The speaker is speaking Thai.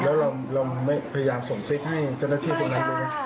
แล้วเราไม่พยายามส่งซิทให้เจ้าหน้าที่ตรงนั้นด้วยไหม